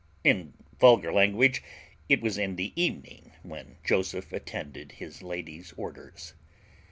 In vulgar language, it was in the evening when Joseph attended his lady's orders.